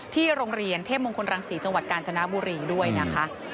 ที่โรงเรียนเทพมงคลรังศรีจังหวัดกาญจนบุรีด้วยนะคะ